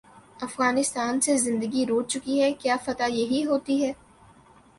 افغانستان سے زندگی روٹھ چکی کیا فتح یہی ہو تی ہے؟